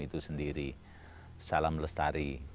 itu sendiri salam lestari